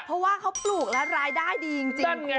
เพราะว่าเขาปลูกแล้วรายได้ดีจริง